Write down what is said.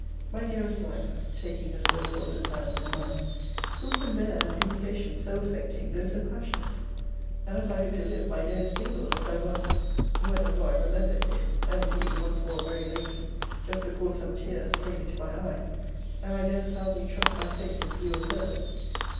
My dearest life, [taking her still folded hands in mine,] who can bear an invocation so affecting, though so passionate? And, as I hope to live, my nose tingled, as I once, when a boy, remember it did (and indeed once more very lately) just before some tears came into my eyes; and I durst hardly trust my face in view of her's.